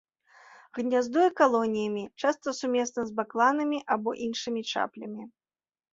Гняздуе калоніямі, часта сумесна з бакланамі або іншымі чаплямі.